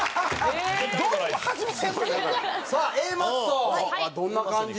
さあＡマッソはどんな感じ？